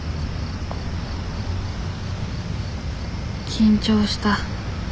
緊張した。